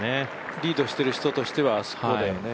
リードしてる人としてはそうだよね。